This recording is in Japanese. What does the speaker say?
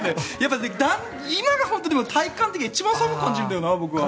今が本当に体感的にも一番寒く感じるんだよな、僕は。